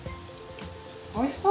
おいしそう！